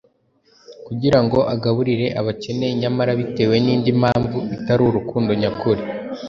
kugira ngo agaburire abakene nyamara abitewe n’indi mpamvu itari urukundo nyakuri